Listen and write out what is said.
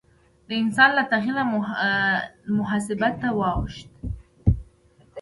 انسان له تخیل نه محاسبه ته واوښت.